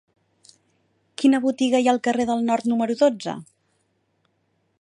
Quina botiga hi ha al carrer del Nord número dotze?